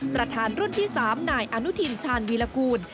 ประธานรุ่นที่๓นายอนุทินชาญวีรกูล